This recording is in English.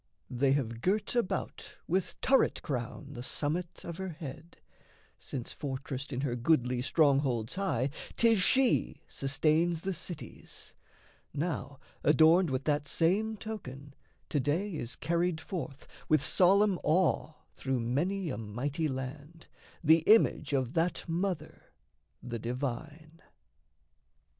They have girt about With turret crown the summit of her head, Since, fortressed in her goodly strongholds high, 'Tis she sustains the cities; now, adorned With that same token, to day is carried forth, With solemn awe through many a mighty land, The image of that mother, the divine.